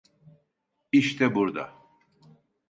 İşte burda!